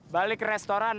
balik ke restoran